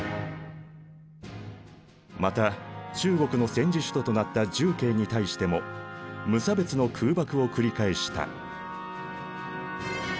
また中国の戦時首都となった重慶に対しても無差別の空爆を繰り返した。